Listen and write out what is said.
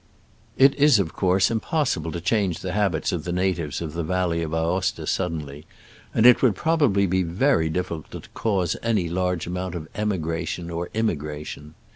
It is, of course, impossible to change the habits of the natives of the valley of Aosta suddenly, and it would proba bly be very difficult to cause any large amount of emigration or immigration.